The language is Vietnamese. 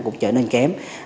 cũng trở nên kém